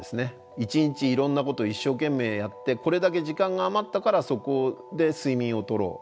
一日いろんなこと一生懸命やってこれだけ時間が余ったからそこで睡眠をとろう。